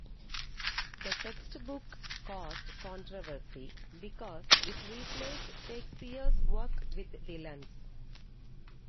The textbook caused controversy because it replaced Shakespeare's work with Dylan's.